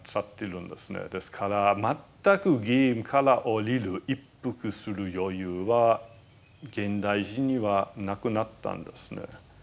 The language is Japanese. ですから全くゲームから降りる一服する余裕は現代人にはなくなったんですね。